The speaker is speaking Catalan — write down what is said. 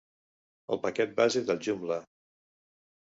El paquet base del Joomla!